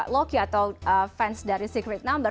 loki atau fans dari secret number